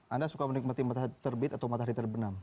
anda suka menikmati matahari terbit atau matahari terbenam